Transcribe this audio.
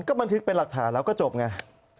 ก็บันทึกเป็นหลักฐานแล้วก็จบไง